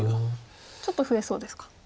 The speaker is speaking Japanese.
ちょっと増えそうですか。